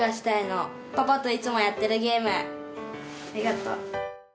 ありがとう。